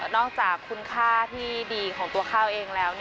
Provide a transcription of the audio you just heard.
อกจากคุณค่าที่ดีของตัวข้าวเองแล้ว